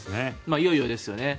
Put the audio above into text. いよいよですよね。